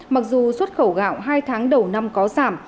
mặc dù xuất khẩu gạo hai tháng đầu năm có giảm